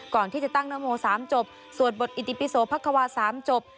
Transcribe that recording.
ก่อนที่จะตั้งนโม๓จบสวดบทอิติปิโสพระควา๓จบ